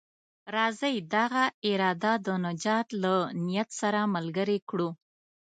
راځئ دغه اراده د نجات له نيت سره ملګرې کړو.